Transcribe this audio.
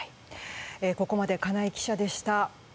ここまで金井記者でした。